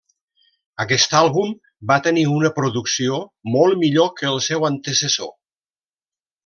Aquest àlbum va tenir una producció molt millor que el seu antecessor.